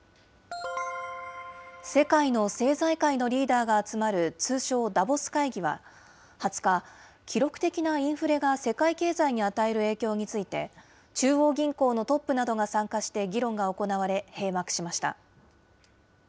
世界の政財界のリーダーが集まる通称ダボス会議は、２０日、記録的なインフレが世界経済に与える影響について、中央銀行のトップなどが参加して議論が行われ、閉幕しました。